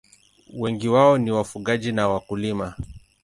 Wengi wao ni wafugaji na wakulima.